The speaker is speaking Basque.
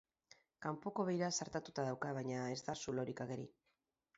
Kanpoko beira zartatuta dauka, baina ez da zulorik ageri.